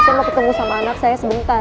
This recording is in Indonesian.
saya mau ketemu sama anak saya sebentar